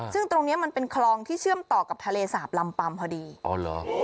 ซึ่งตรงเนี้ยมันเป็นคลองที่เชื่อมต่อกับทะเลสาบลำปัมพอดีอ๋อเหรอ